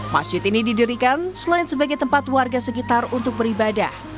masjid ini didirikan selain sebagai tempat warga sekitar untuk beribadah